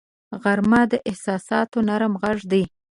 غرمه د احساساتو نرم غږ دی